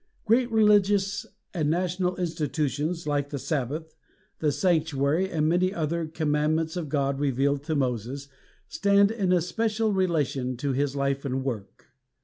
Great religious and national institutions like the Sabbath, the sanctuary, and many other " commandments of God revealed to Moses " stand in a special relation to his life and work.